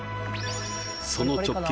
その直径